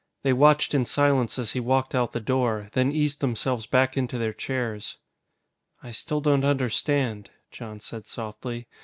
They watched in silence as he walked out the door, then eased themselves back into their chairs. "I still don't understand," Jon said softly.